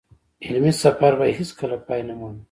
علمي سفر به يې هېڅ کله پای نه مومي.